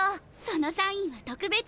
そのサインは特別。